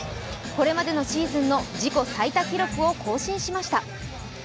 これまでのシーズンの自己最多記録を更新しました。